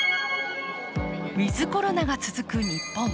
ウィズ・コロナが続く日本。